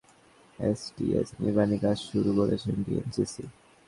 অবশেষে টোলারবাগ আবাসিক এলাকার প্রবেশমুখেই একটি এসটিএস নির্মাণের কাজ শুরু করেছে ডিএনসিসি।